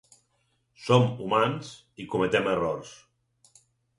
Som humans i cometem errors.